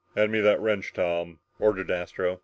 "Hand me that wrench, Tom," ordered Astro.